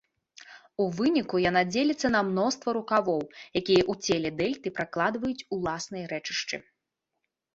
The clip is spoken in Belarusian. У выніку яна дзеліцца на мноства рукавоў, якія ў целе дэльты пракладваюць уласныя рэчышчы.